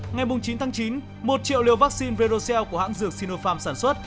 ngày chín tháng chín một triệu liều vaccine verocel của hãng dược sinopharm sản xuất